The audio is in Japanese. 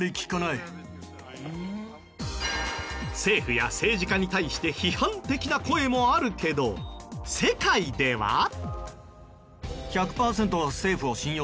政府や政治家に対して批判的な声もあるけど世界では？